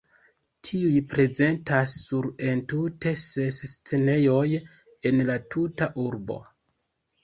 Tiuj prezentas sur entute ses scenejoj en la tuta urbo.